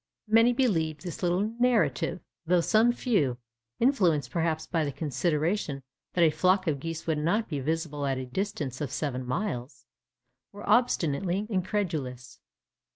Many believed this little narrative; though some few, influenced perhaps by the consideration that a flock of geese would not be visible at a distance of seven miles, were obstinately incredulous.